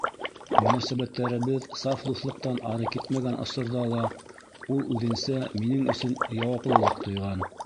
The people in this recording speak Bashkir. Мөнәсәбәттәребеҙ саф дуҫлыҡтан ары китмәгән осорҙа ла ул үҙенсә минең өсөн яуаплылыҡ тойған.